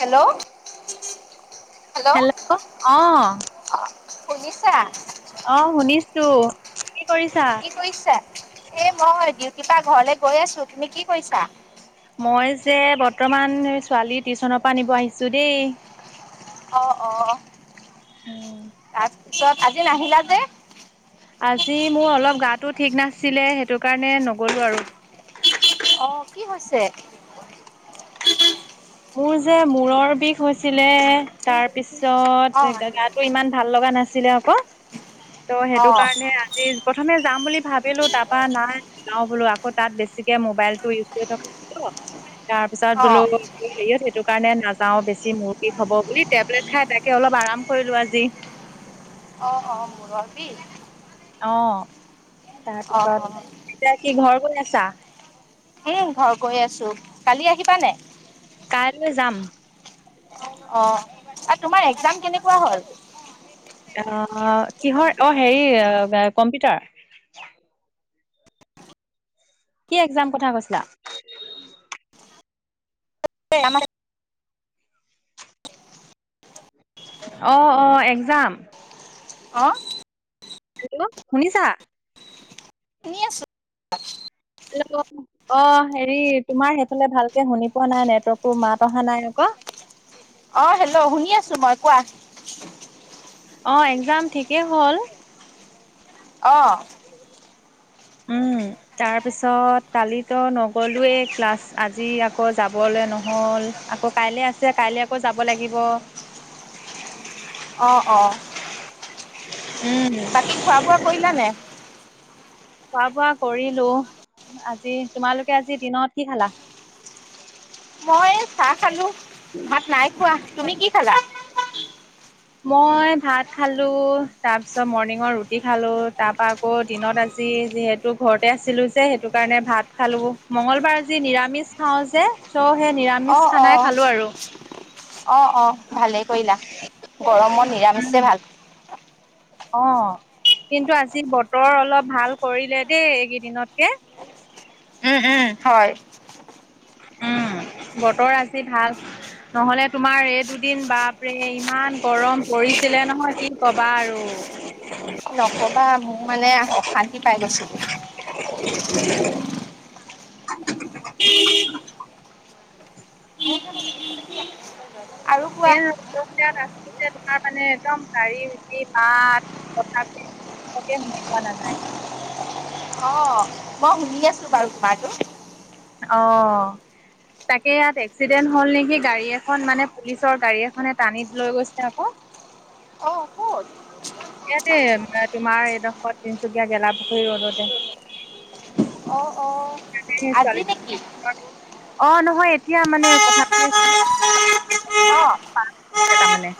Hello, hello. অ'। শুনিছা অ শুনিছো কি কৰিছা? কি কৰিছা? এ মই দি কিবা ঘৰলে গৈ আছোঁ। তুমি কি কৰিছা? মই যে বৰ্তমান ছোৱালী টিউশ্যনৰ পৰা নিব আহিছোঁ দেই। অ', অ'। উম্। তাৰপিছত, আজি নাহিলা যে। আজি মোৰ অলপ গাটো ঠিক নাছিলে, সেইটো কাৰণে নগলোঁ আৰু। অ', কি হৈছে? মোৰ যে মূৰৰ বিষ হৈছিলে, অ তাৰপিছত গাটো ইমান ভাল লগা নাছিলে আকৌ, ত' অ সেইটো কাৰণে আজি প্ৰথমে যাম বুলি ভাব ছিলো, তাপা নাই নাযাওঁ বোলো আকৌ তাত বেছিকে মোবাইলটো ইউজ কৰি থ তাৰ পিছত অ বোলো। হে সেইটো কাৰণে নাযাওঁ বেছি মোৰ বিষ হব বুলি। টেবলেট খাই তাকে অলপ আৰাম কৰিলোঁ আজি। অহ, অহ, মোৰৰ বিষ। অ', অ অ তাৰপিছত এতিয়া কি ঘৰ গৈ আছা এই ঘৰ গৈ আছোঁ। কালি আহিবা নাই। কাইলৈ যাম। অ', আৰু তোমাৰ একজাম কেনেকুৱা হ'ল? অ' কিহৰ? অ' হেৰি কম্পিউটাৰ। কি একজাম কথা কৈছিলা। আমাৰ অ' অ' এক্জাম। অ'। হেল্ল' শুনিছা? শুনি আছোঁ। হেল্ল'। অ' হেৰি, তোমাৰ সেইফালে ভালকে শুনি পোৱা নাই। নেটৱৰ্কটো মাত অহা নাই আকৌ। অ', হেল্ল' শুনি আছোঁ মই, কোৱা। অ', এক্সাম ঠিকেই হ'ল। [inaudible] অ'। উম [inaudible] তাৰপিছত, কালিতো নগ'লোৱেই ক্লাছ। আজি আকৌ যাবলৈ নহ'ল। আকৌ কাইলে আছে, কাইলে আকৌ যাব লাগিব। অ', অ'। উম্। বাকী খোৱা বোৱা কৰিলানে নাই? খোৱা বোৱা কৰিলো আজি তোমালোকে আজি দিনত কি খালা? মই চাহ খালো, ভাত নাই খোৱা, তুমি কি খালা? মই ভাত খালোঁ, তাৰ পিছত মৰ্ণিঙৰ ৰুটি খালো তাৰপা আকৌ দিনত আজি যিহেতু ঘৰতে আছিলোঁ যে সেইটো কাৰণে ভাত খালো মংগলবাৰ আজি নিৰামিষ। খাওঁ যে, চ' সেই অ নিৰামিষ। খানাই অ', খালো আৰু অ', অ' ভালেই কৰিলা গৰমত নিৰামিষে উম ভাল। [inaudible] অ', কিন্তু আজি বতৰ অলপ ভাল কৰিলে দেই এইকেইদিনতকে। উম, উম হয়। উম, বতৰ আজি ভাল। নহ'লে তোমাৰ এই দুদিন বাপৰে ইমান গৰম পৰিছিলে নহয় কি ক'বা আৰু। নকবা মোৰ মানে অশান্তি পাই গৈছিলোঁ। [inaudible] [inaudible] আৰু কোৱা [unintelligible] আছোঁ যে তোমাৰ মানে একদম গাড়ী যি মাত কথা। [unintelligible] শুনি পোৱা নাযায়। অ'। মই শুনি আছোঁ বাৰু তোমাৰতো অ'। তাকে ইয়াত এক্সিডেণ্ট হ'ল নেকি, গাড়ী এখন মানে পুলিচৰ গাড়ী এখনে টানিত লৈ গৈছে আকৌ। অ', ক'ত? ইয়াতে তোমাৰ এডোখৰ তিনচুকীয়া গেলাপুখুৰী ৰোদতে। অ অ তাকে আজি নেকি [unintelligible] অ', নহয় এতিয়া মানে কথা পাতি আছোঁ। [unintelligible] অ তাৰমানে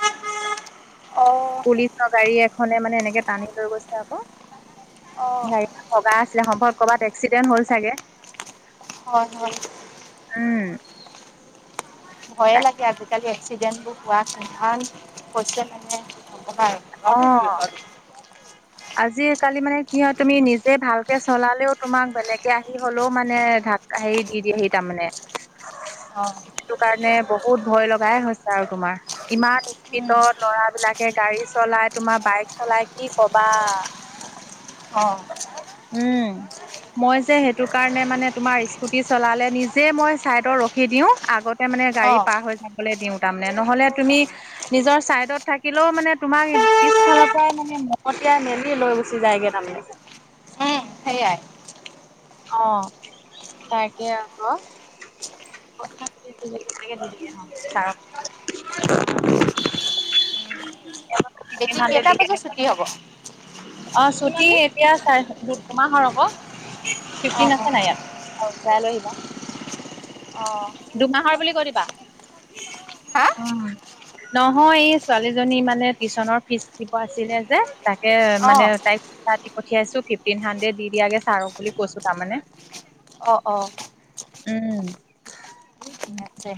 অ পুলিচৰ গাড়ী এখনে মানে এনেকে টানি লৈ গৈছে আকৌ। অ গাড়ী খন ভগা আছিলে সম্ভৱ কৰ'বাত এক্সিডেণ্ট‌ হ'ল চাগে। হয়, হয়। উম। ভয়ে তাকে লাগে আজিকালি এক্সিডেন্ট বোৰ হোৱা [unintelligible] হৈছে মানে নকবা আৰু। [unintelligible] আজি কালি মানে কি হয় তুমি নিজে ভালকে চলালেও তোমাক বেলেগে আহি হ'লেও মানে [unintelligible] [unintelligible] হেই দি দিয়েহি তাৰমানে। অ সেইটো কাৰণে বহুত ভয় লগাই হৈছে আৰু তোমাৰ। ইমান উম স্পীডত ল'ৰা বিলাকে গাড়ী চলাই, তোমাৰ বাইক চলাই কি কবা। অ' উম' মই যে সেইটো কাৰণে মানে তোমাৰ স্কুটি চলালে, নিজে মই চাইডত ৰখি দিওঁ আগতে মানে অ গাড়ী পাৰ হৈ যাবলৈ দিওঁ তাৰমানে নহ'লে তুমি নিজৰ চাইডত থাকিলেও মানে তোমাক পিছফালৰ পৰাই মানে মহতিয়াই মেলি লৈ গুচি যায়গে তাৰমানে সেইয়াই। অ' তাকে আকৌ। কথা [unintelligible] ছাৰক [inaudible] বেটী কেইটা বজাত ছুটি হ'ব? অ' ছুটি এতিয়া চাৰে দুট দুমাহৰ আক' অ', ফিফটিন আছে নাই ইয়াত? [unintelligible] আহিবা। অ' দুমাহৰ বুলি কৈ দিবা হা? উম'। নহয় এই, ছোৱালী জনী মানে টিউশচনৰ ফিজ দিব আছিলে যে, তাকে মানে, অ', তাইক পইচা দি পঠিয়াইছোঁ, ফিফটিন হানড্ৰেড দি দিয়াগে ছাৰক বুলি কৈছোঁ তাৰমানে। অ', অ' উম' তাকে,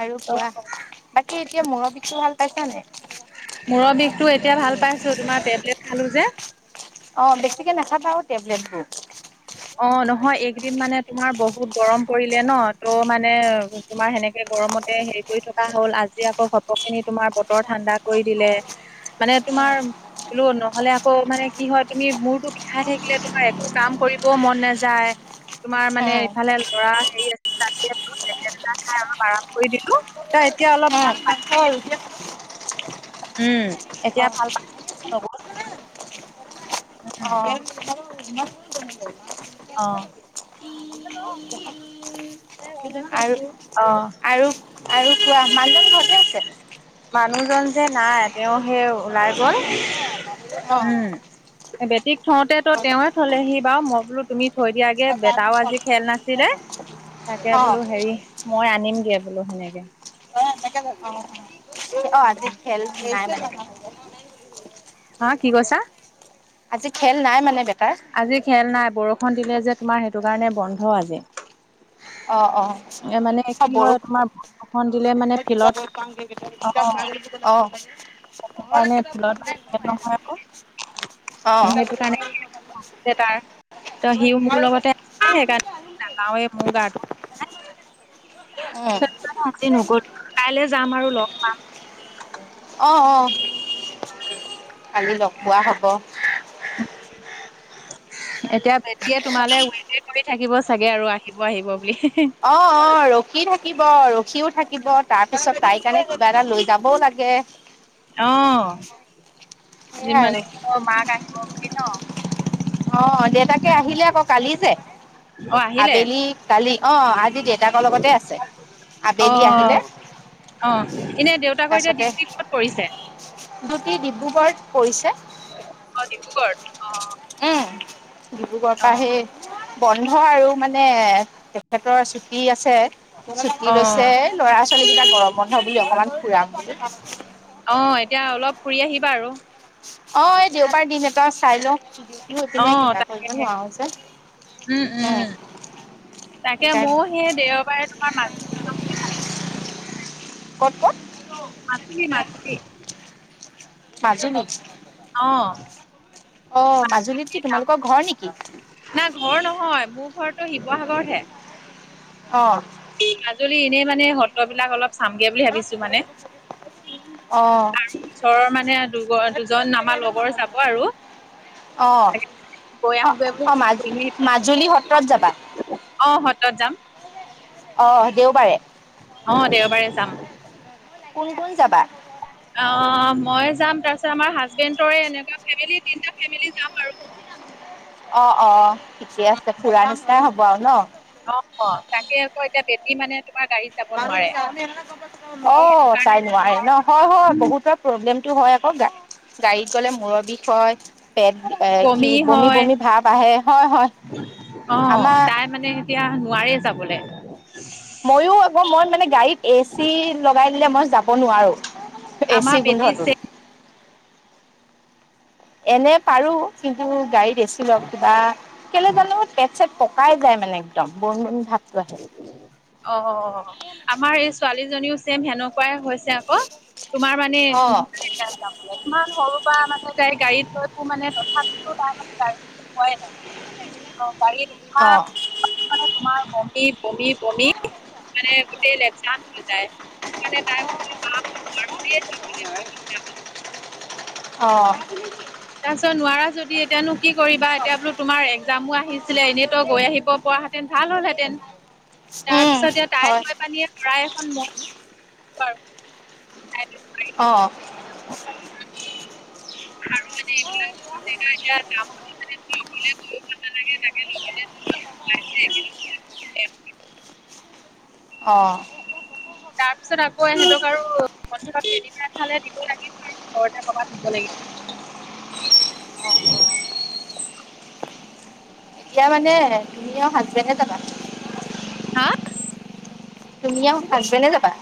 আৰু অ' কোৱা বাকী এতিয়া মূৰৰ বিষটো ভাল পাইছানে নাই? মূৰৰ বিষটো এতিয়া ভাল পাইছোঁ, তোমাৰ টেবলেট খালোঁ যে। অ', বেছিকে নাখাবা আৰু টেবলেটবোৰ। অ', নহয় এইকেইদিন মানে তোমাৰ বহুত গৰম পৰিলে ন ত' মানে তোমাৰ সেনেকে গৰমতে হেৰি কৰি থকা হ'ল। আজি আকৌ ঘপকে খিনি তোমাৰ বতৰ ঠাণ্ডা কৰি দিলে। মানে তোমাৰ শুলো নহ'লে আকৌ মানে কি হয়, তুমি মূৰটো বিষাই থাকিলে তোমাৰ একো কাম কৰিব একো মন নেযায়। তোমাৰ মানে উম ইফালে ল'ৰা হেৰি আছে তাতে টেবলেট এটা খাই অলপ আৰাম কৰি দিলোঁ। ত এতিয়া অলপ ভাল পাইছোঁ। হয়', এতিয়া উম' এতিয়া ভাল পাইছ ন? বহুত, [unintelligible] উম', উম' অ', [inaudible] অ', হেল্ল' আৰু, আৰু, আৰু কোৱা? মানুহজন ঘৰতে আছে। মানুহজন যে নাই, তেওঁ সেই অ', ওলাই গ'ল। উম' বেটীক থওঁতে টো অ তেওঁয়ে থলেহি বাৰু, মই বোলো তুমি থৈ দিয়াগে, বেটাও আজি খেল নাই। কি নাই? তাকে অ বোলো হেৰি, মই আনিমগে বোলো সেনেকে। অ', এনেকে ভাবিলোঁ। অ' আজি খেল নাই মানে। হা কি কৈছা? আজি খেল নাই মানে বেটাৰ? আজি খেল নাই, বৰষুণ দিলে যে তোমাৰ সেইটো কাৰণে বন্ধ আজি। অ', অ' এ মানে, অ', কি হয় বৰষুণ তোমাৰ বৰষুণ দিলে মানে অ', ফিল্ডত অ', আহ সেইটো কাৰণে ফিল্ডত খেল নহয় আকৌ, অহ', তে তাৰ, ত সিও মোৰ লগতে আছে, সেইকাৰণে নযাওঁৱে মোৰ গাটো উম, আজি নগলো কাইলৈ যাম আৰু লগ পাম। অ', অ' কালি লগ পোৱা হ'ব। এতিয়া বেটিয়ে তোমালে ৱেইটয়ে কৰি থাকিব চাগে আৰু আহিব আহিব বুলি। অ', অ' ৰখি থাকিব ৰখিও থাকিব তাৰ পিছত তাই কাৰণে কিবা এটা লৈ যাবও লাগে। অ' সেয়াই যিমানে আৰু মাক আহিব বুলি ন? অ', দেউতাকে আহিলে আকৌ কালি যে, অ আহিলে আবেলি কালি অ' আজি দেউতাকৰ লগতে আছে। অ আবেলি আহিলে অ', এনে দেউ তাৰপিছতে ডিউটি ডিব্ৰুগড়ত পৰিছে। অ', ডিব্ৰুগড়ত? উম, ডিব্ৰুগড়ৰ অ অ পৰা সেই, বন্ধ আৰু মানে, তেখেতৰ ছুটী আছে। ছুটি অ লৈছে এই ল'ৰা -ছোৱালী কেইটাক গৰম বন্ধ বুলি অকমান ফুৰাম বুলি। অ', এতিয়া অলপ ফুৰি আহিবা আৰু, অ', এই দেওবাৰ দিন এটা চাই লওঁ আৰু এই অ পিনে কিবা কৰিব তাকেহে নোৱাৰো যে উম'। তাকে মও সেইকাৰণে সেই দেওবাৰে তোমাৰ মাজ ক'ত, ক'ত মাজে, মাজে। মাজুলী। অ'। অ, মাজুলীত কি তোমালোকৰ ঘৰ নেকি। নাই ঘৰ নহয়। মোৰ ঘৰতো শিৱসাগৰত হে। অ'। মাজুলী এনেই মানে সত্ৰবলাক অলপ চামগে বুলি ভাবিছো মানে। অ', আৰু ওচৰৰ মানে দু, দুজন আমাৰ লগৰ যাব আৰু। অ', গৈ অ', আহোগৈ অ', বোলো মাজ কৰি। মাজুলী সত্ৰত যাবা অ, সত্ৰত যাম। অ, দেওবাৰে। অ, দেওবাৰে যাম। কোন, কোন যাবা। অ, মই যাম, তাৰপিছত আমাৰ হাজবেণ্ডৰে এনেকুৱা ফেমি তিনিটা ফেমিলি যাম আৰু। অ', অ', ঠিকে আছে, ফুৰা নিচিনাই হ'ব আৰু ন। অ', অ', তাকে আকৌ এতিয়া বেটি মানে তোমাৰ গাড়ী অ, সেইটো কাৰণে তাই নোৱাৰে ন। হয়, হয়, বহুতৰ প্ৰব্লেমতটো হয় আকৌ গাড়ীত গ'লে মূৰৰ বিষ হয়। পেট এ, কি, বমি, বমি ভাৱ আহে। হয়, হয়, অ আমাৰ। তাই মানে এতিয়া নোৱাৰাৰে যাবলৈ। ময়ো আকৌ মই মানে গাড়ীত এ চি লগাই দিলে মই যাব নোৱাৰো। এ চি আমাৰ বেটি গোন্ধটোত চে এনে পাৰো কিন্তু গাড়ীত বচি ল, কিবা কেলে জানো পেট, চট পকাই যায় মানে একদম বন, বন ভাতটো আহে। অ', আমাৰ এই ছোৱালীজনীও ‍চেম সেনেকুৱাই হৈছে। আকৌ তোমাৰ মানে, অ', [unintelligible] ইমান সৰুৰ পৰা মানেী গাড়ীত লৈ মানে তথাপিটো তাৰে গা হয়, অ, বাৰী অ', তোমাৰ [unintelligible] মানে গোটেই লেপচান হৈ যায়। [unintelligible] অ'। তাৰপিছত নোৱাৰা যদি এতিয়ানো কি কৰিবা, এতিয়া বোলো, তোমাৰ একজামো আহি ছিলে, এনেই তই গৈ আহিব পৰা হেতেন ভাল হ'লহেতেন। তাৰ উম পিছত এ, তাই হয় হৈ পানি শৰাই এখন ম [unintelligible] অ'। আৰু মানে এইবিলাক [unintelligible] এতিয়া যাম মি অকলে জৰি নালাগে। [unintelligible] অ'। তাৰপিছত আকৌ ইহঁতক আৰু বন্ধ এফালে দিব লাগিব আৰু, ওচৰতে ক'বাত নিব লাগিব। [unintelligible] এতিয়া মানে তুমি আৰু হাজবেণ্ডে যাবা। হা! তুমি আৰু হাজবেণ্ডে যাবা।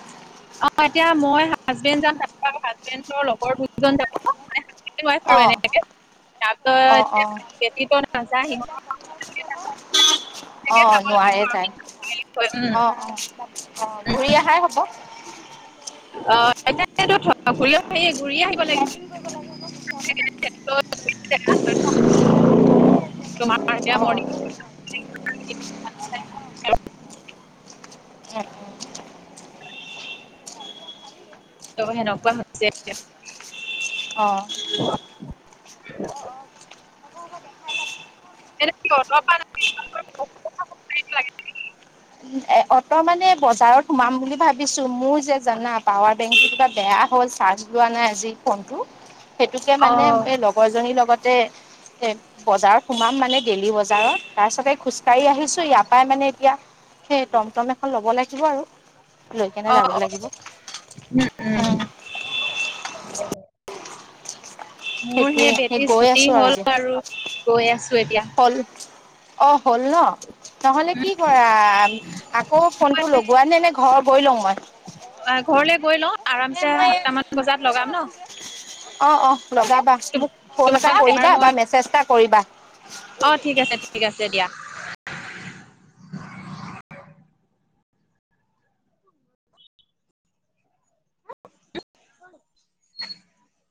অ, এতিয়া মই হাজবেণ্ড যাম তাৰপিছত আৰু হাজবেণ্ডৰ লগৰ দুজন যাব। [unintelligible] আৰু অ', এনেকে। অ', অ', [unintelligible] অ', নোৱাৰে তাই [unintelligible] অ', অ', অ', ঘূৰি আহাই হ'ব। [unintelligible] উম, [unintelligible] উম, [unintelligible] [unintelligible] অ'। [unintelligible] এ, অটো মানে বজাৰত সোমাম বুলি ভাবিছোঁ, মোৰ যে জানা পাৱাৰ বেংক কেইটা বেয়া হ'ল, চাৰ্জ লোৱা নাই আজি ফোনটো, সেইটোকে মানে অ', [unintelligible] জনীৰ লগতে এ, বজাৰত সোমাম মানে দেলি বজাৰত, তাৰপিছতে খোজকাঢ়ি আহিছোঁ, ইয়াৰ পৰাই মানে এতিয়া সেই টম-টম এখন লব লাগিব আৰু, লৈ কেনে অ', যাব অ', লাগিব। উম, অ'। মোৰ সেইটোৱে, সেই বেটী গৈ ছুটি আছোঁ আৰু হ'ল গৈ আছো এতিয়া। এতিয়া। হ'ল। অ, হ'ল ন! নহ'লে কি কৰা, আকৌ ফোনটো লগোৱা নে! নে ঘৰ গৈ লওঁ মই! অ', ঘৰলে গৈ লও, আৰামছে সাতটামান বজাত লগাম ন! অ', অ', লগাবা। মোক ফোন এটা তোমাক এবাৰ কৰিবা বা মই মেছেজ এটা কৰিবা। অ', ঠিক আছে, ঠিক আছে, দিয়া। [inaudible]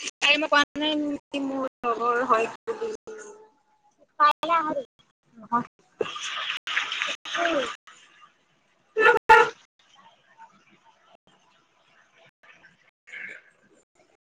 [unintelligible] লগৰ হয়ত [unintelligible] [unintelligible] [inaudible] [unintelligible] [inaudible]